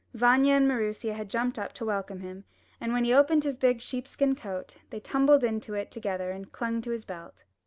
Vanya and Maroosia had jumped up to welcome him, and when he opened his big sheepskin coat, they tumbled into it together and clung to his belt.